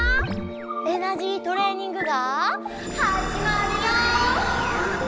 「エナジートレーニング」がはじまるよ！